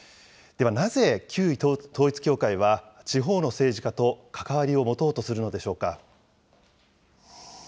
ではなぜ、旧統一教会は地方の政治家と関わりを持とうとするのでしょうか。